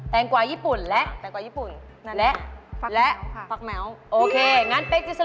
แต่งกว่าญี่ปุ่นค่ะ